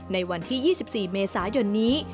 ในวันที่๒๔เมษายนนี้